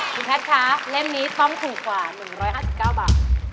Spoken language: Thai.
คุณแพทย์คะเล่มนี้ต้องถูกกว่า๑๕๙บาท